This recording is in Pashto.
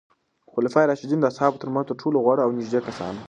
خلفای راشدین د اصحابو ترمنځ تر ټولو غوره او نږدې کسان وو.